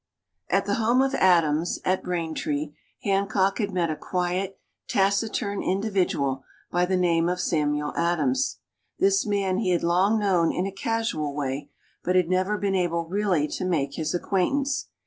At the home of Adams at Braintree, Hancock had met a quiet, taciturn individual by the name of Samuel Adams. This man he had long known in a casual way, but had never been able really to make his acquaintance.